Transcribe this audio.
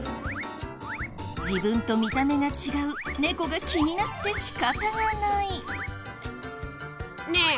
自分と見た目が違う猫が気になって仕方がない。